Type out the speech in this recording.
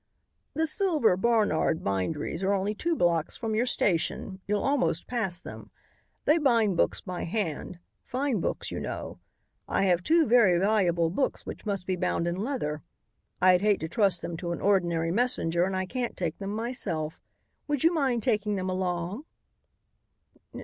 "The Silver Barnard binderies are only two blocks from your station. You'll almost pass them. They bind books by hand; fine books, you know. I have two very valuable books which must be bound in leather. I'd hate to trust them to an ordinary messenger and I can't take them myself. Would you mind taking them along?"